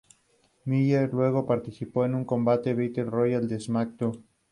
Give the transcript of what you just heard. Miller luego participó en un combate Battle Royal en SmackDown!